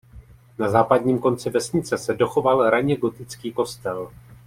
Na západním konci vesnice se dochoval raně gotický kostel.